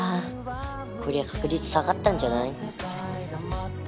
こりゃ確率下がったんじゃない？